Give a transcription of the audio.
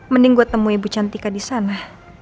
mending gua temui bu cantika disana